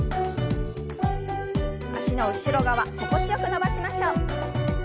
脚の後ろ側心地よく伸ばしましょう。